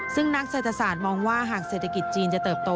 ซึ่งนักเศรษฐศาสตร์มองว่าหากเศรษฐกิจจีนจะเติบโต